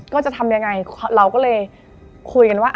ก็จะทำยังไงเราก็เลยคุยกันว่า